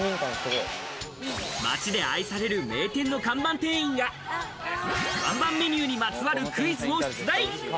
街で愛される名店の看板店員が看板メニューにまつわるクイズを出題。